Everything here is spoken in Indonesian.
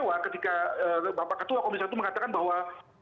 namun demikian kami memang ada kecewa ketika bapak ketua komisi satu mengatakan bahwa